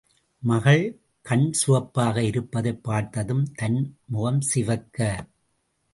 மகள் கண் சிவப்பாக இருப்பதைப் பார்த்ததும் தன் முகம் சிவக்க.